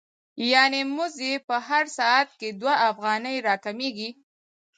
یانې مزد یې په هر ساعت کې دوه افغانۍ را کمېږي